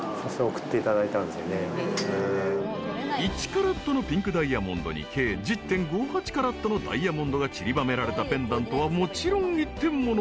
［１カラットのピンクダイヤモンドに計１０．５８カラットのダイヤモンドがちりばめられたペンダントはもちろん一点物］